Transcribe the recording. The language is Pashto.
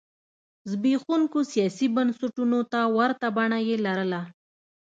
زبېښونکو سیاسي بنسټونو ته ورته بڼه یې لرله.